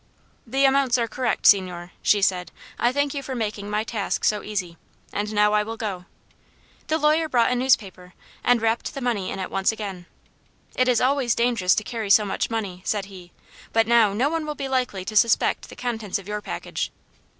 "The amounts are correct, signore," she said. "I thank you for making my task so easy. And now I will go." The lawyer brought a newspaper and wrapped the money in it once again. "It is always dangerous to carry so much money," said he; "but now no one will be likely to suspect the contents of your package."